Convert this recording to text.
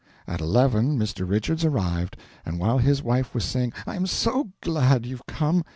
At eleven Mr. Richards arrived, and while his wife was saying "I am SO glad you've come!"